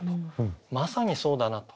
まさにそうだなと。